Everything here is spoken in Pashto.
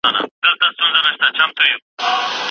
ژوندپوهنه د هر انسان د روغتیا پوهه زیاتوي.